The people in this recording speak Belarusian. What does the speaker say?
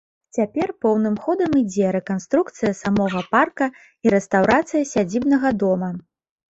Цяпер поўным ходам ідзе рэканструкцыя самога парка і рэстаўрацыя сядзібнага дома.